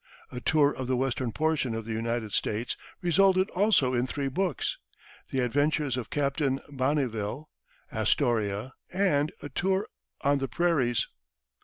A tour of the western portion of the United States resulted also in three books, "The Adventures of Captain Bonneville," "Astoria," and "A Tour on the Prairies."